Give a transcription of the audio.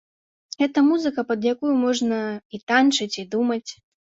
Гэта музыка, пад якую можна і танчыць, і думаць.